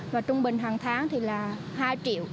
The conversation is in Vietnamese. và trung bình hàng tháng thì là hai triệu